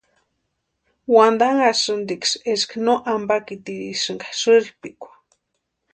Wantanhasïntiksï eska no ampatirisïnka sïrpikwa.